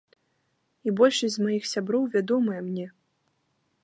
І большасць з маіх сяброў вядомыя мне.